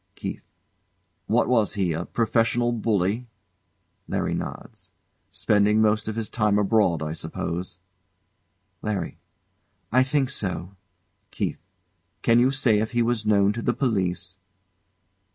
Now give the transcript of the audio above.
KEITH. What was he? A professional bully? [LARRY nods.] Spending most of his time abroad, I suppose. LARRY. I think so. KEITH. Can you say if he was known to the police?